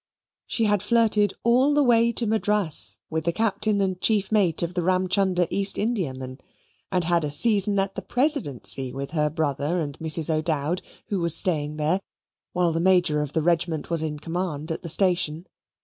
She had flirted all the way to Madras with the Captain and chief mate of the Ramchunder East Indiaman, and had a season at the Presidency with her brother and Mrs. O'Dowd, who was staying there, while the Major of the regiment was in command at the station.